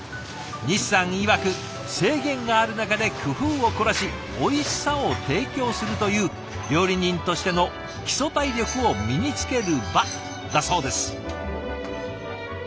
西さんいわく制限がある中で工夫を凝らしおいしさを提供するという料理人としての基礎体力を身につける場だそうです。